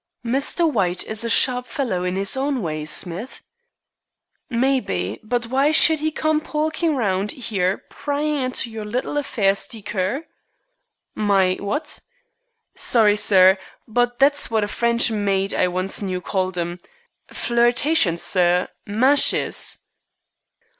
"Mr. White is a sharp fellow in his own way, Smith." "Maybe, but why should 'e come pokin' round 'ere pryin' into your little affairs deecur?" "My what?" "Sorry, sir, but that's what a French maid I once knew called 'em. Flirtations, sir. Mashes."